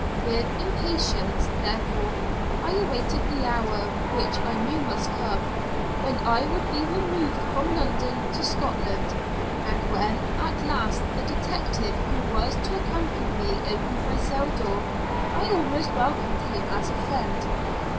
With impatience, therefore, I awaited the hour, which I knew must come, when I would be removed from London to Scotland; and when, at last, the detective who was to accompany me opened my cell door, I almost welcomed him as a friend.